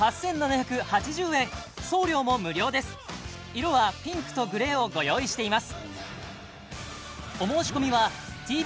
色はピンクとグレーをご用意しています